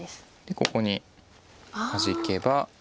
ここにハジけば。